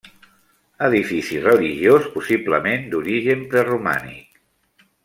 Edifici religiós possiblement d'origen preromànic.